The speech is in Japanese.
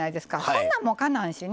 そんなんもうかなんしね。